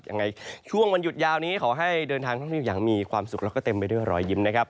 ยังไงช่วงวันหยุดยาวนี้ขอให้เดินทางท่องเที่ยวอย่างมีความสุขแล้วก็เต็มไปด้วยรอยยิ้มนะครับ